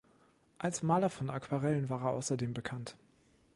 Als Maler von Aquarellen war er außerdem bekannt.